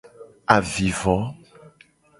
Avivo.